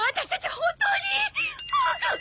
本当に億。